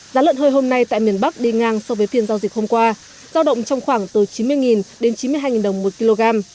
giá lợn hơi hôm nay tại miền bắc đi ngang so với phiên giao dịch hôm qua giao động trong khoảng từ chín mươi đến chín mươi hai đồng một kg